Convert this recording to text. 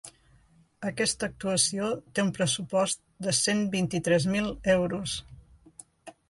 Aquesta actuació té un pressupost de cent vint-i-tres mil euros.